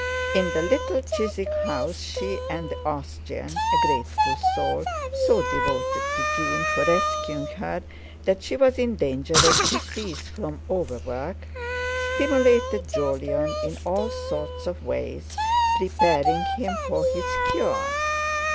In the little Chiswick house she and the Austrian—a grateful soul, so devoted to June for rescuing her that she was in danger of decease from overwork—stimulated Jolyon in all sorts of ways, preparing him for his cure.